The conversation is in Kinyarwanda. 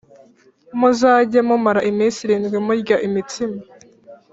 Muzajye mumara iminsi irindwi murya imitsima